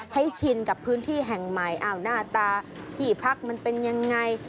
ให้ชินกับพื้นที่แห่งไหมหน้าตาที่พักมันเป็นอย่างไร